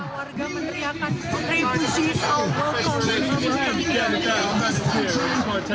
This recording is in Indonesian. warga menteri akan